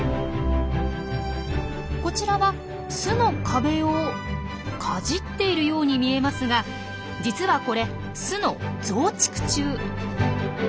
こちらは巣の壁をかじっているように見えますが実はこれ巣の増築中。